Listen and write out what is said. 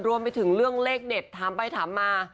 รวมไปถึงเรื่องเลขเด็ดถามไปถามมา